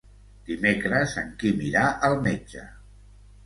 Dimecres en Quim irà al metge.